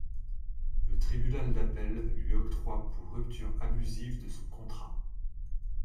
Le tribunal d'appel lui octroie pour rupture abusive de son contrat.